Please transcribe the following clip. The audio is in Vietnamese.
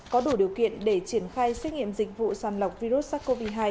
có đủ điều kiện để triển khai xét nghiệm dịch vụ sàng lọc virus sars cov hai